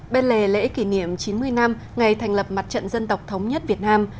bên lề lễ kỷ niệm chín mươi năm ngày thành lập mặt trận dân tộc thống nhất việt nam